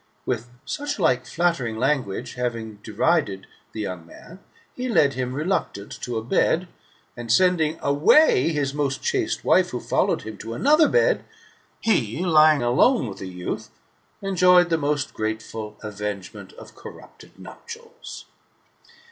With such like flattering language having derided the young man, he led him reluctant to a bed, and sending away his most chaste wife who followed him, to another bed, he, lying alone with the youth, enjoyed the most grateful avengement of corrupted nuptials.